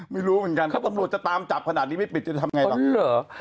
ไม่รู้เหมือนกันถ้าตำรวจจะตามจับขนาดนี้ไม่ปิดจะทำไงตอนนี้เหรอ